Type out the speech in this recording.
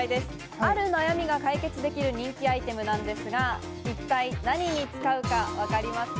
ある悩みが解決できる人気アイテムなんですが、一体何に使うかわかりますか？